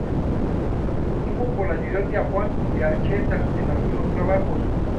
Tuvo por ayudante a Juan de Ancheta en algunos trabajos.